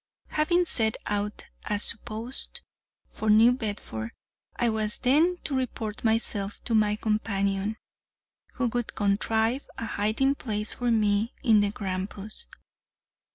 Having set out as supposed, for New Bedford, I was then to report myself to my companion, who would contrive a hiding place for me in the Grampus.